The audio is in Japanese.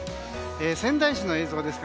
仙台市の映像です。